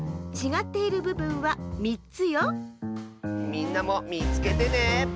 みんなもみつけてね。